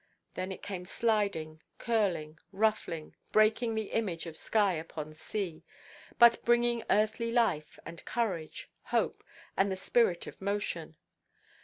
Then it came sliding, curling, ruffling, breaking the image of sky upon sea, but bringing earthly life and courage, hope, and the spirit of motion.